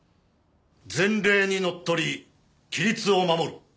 前例にのっとり規律を守る。